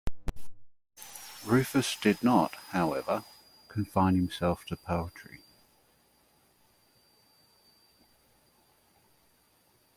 Rufus did not, however, confine himself to poetry.